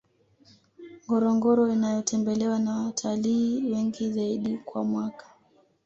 ngorongoro inayotembelewa na watalii wengi zaidi kwa mwaka